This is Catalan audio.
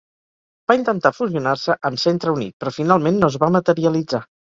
Va intentar fusionar-se amb Centre Unit, però finalment no es va materialitzar.